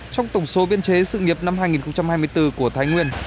trong tổng số biên chế sự nghiệp năm hai nghìn hai mươi bốn của thái nguyên